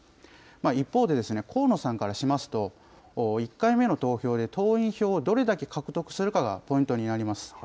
一方で、河野さんからしますと、１回目の投票で党員票をどれだけ獲得するかがポイントになります。